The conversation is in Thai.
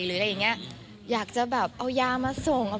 หรืออะไรอย่างเงี้ยอยากจะแบบเอายามาส่ง